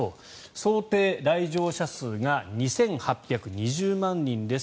想定来場者数が２８２０万人です。